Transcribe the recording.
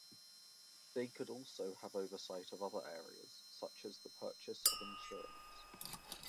They could also have oversight of other areas, such as the purchase of insurance.